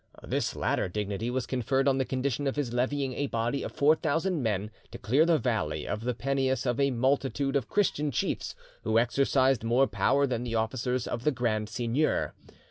This latter dignity was conferred on the condition of his levying a body of four thousand men to clear the valley of the Peneus of a multitude of Christian chiefs who exercised more power than the officers of the Grand Seigneur.